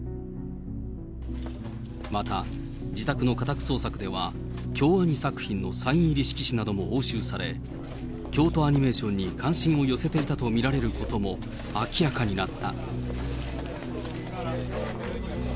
また、自宅の家宅捜索では、京アニ作品のサイン入り色紙なども押収され、京都アニメーションに関心を寄せていたと見られることも明らかになった。